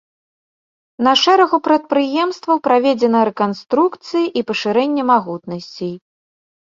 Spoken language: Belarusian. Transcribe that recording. На шэрагу прадпрыемстваў праведзена рэканструкцыі і пашырэнне магутнасцей.